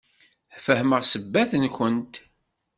Fehmeɣ ssebbat-nkent.